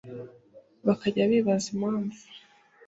bakajya bibaza impamvu